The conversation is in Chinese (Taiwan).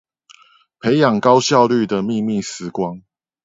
培養高效率的祕密時光